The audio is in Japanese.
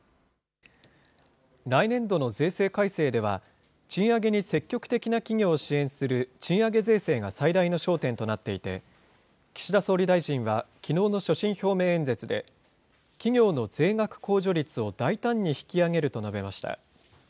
来年度の税制改正では、賃上げに積極的な企業を支援する賃上げ税制が最大の焦点となっていて、岸田総理大臣は、きのうの所信表明演説で、企業の税額控除率を大胆に引き上げると述べました。